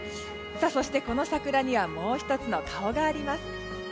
そしてこの桜にはもう１つの顔があります。